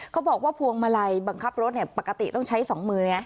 เขาบอกว่าพวงมาลัยบังคับรถเนี่ยปกติต้องใช้สองมือเนี่ย